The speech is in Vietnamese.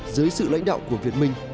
dưới sự lãnh đạo của việt minh